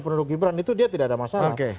penduduk gibran itu dia tidak ada masalah